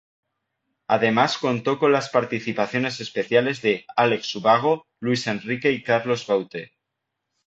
Además contó con las participaciones especiales de Alex Ubago, Luis Enrique y Carlos Baute.